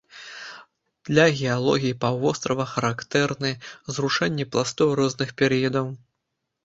Для геалогіі паўвострава характэрны зрушэнні пластоў розных перыядаў.